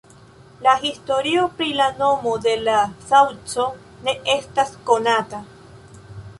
La historio pri la nomo de la saŭco ne estas konata.